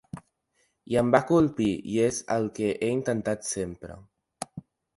I em va colpir i és el que he intentat sempre.